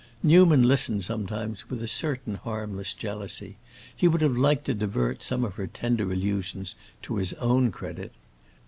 Newman listened sometimes with a certain harmless jealousy; he would have liked to divert some of her tender allusions to his own credit.